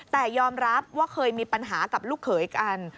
แต่ยอมรับว่าเคยมีปัญหากับลูกเขยกัน